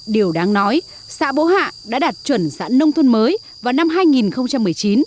điều đáng nói xã bố hạ đã đạt chuẩn xã nông thôn mới vào năm hai nghìn một mươi chín